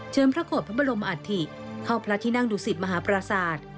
พระโกรธพระบรมอัฐิเข้าพระที่นั่งดุสิตมหาปราศาสตร์